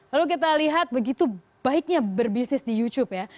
lalu kita lihat begitu baiknya berbisnis di youtube ya